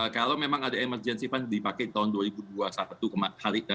kalau memang ada emergency fund dipakai tahun dua ribu dua puluh satu